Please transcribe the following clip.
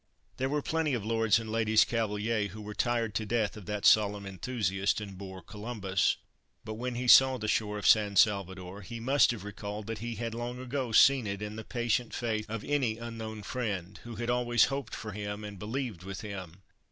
There were plenty of Lords and Ladies Cavaliere who were tired to death of that solemn enthusiast and bore, Columbus. But when he saw the shore of San Salvador he must have recalled that he had long ago seen it in the patient faith of any unknown friend who had always hoped for him and believed with him.